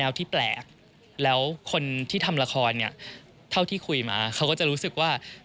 ที่แปลกแล้วคนที่ทำละครเนี่ยเท่าที่คุยมาเขาก็จะรู้สึกว่า